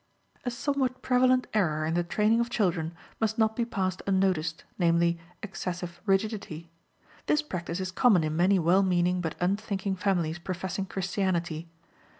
A somewhat prevalent error in the training of children must not be passed unnoticed, namely, excessive rigidity. This practice is common in many well meaning but unthinking families professing Christianity.